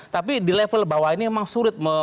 tapi di level bawah ini memang sulit